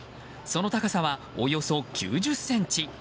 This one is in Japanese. その高さはおよそ９０ｃｍ。